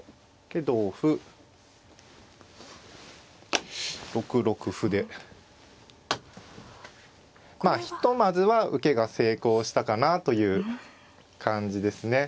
で同歩６六歩でまあひとまずは受けが成功したかなという感じですね。